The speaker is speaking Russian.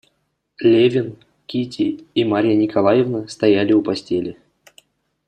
Левин, Кити и Марья Николаевна стояли у постели.